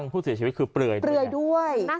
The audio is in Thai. ผู้เสียชีวิตคือเปลือยด้วย